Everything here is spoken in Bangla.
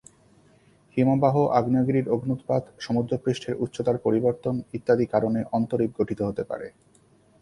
হিমবাহ, আগ্নেয়গিরির অগ্ন্যুৎপাত, সমুদ্রপৃষ্ঠের উচ্চতার পরিবর্তন ইত্যাদি কারণে অন্তরীপ গঠিত হতে পারে।